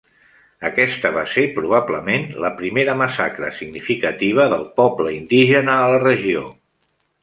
Aquesta va ser, probablement, la primera massacre significativa del poble indígena a la regió.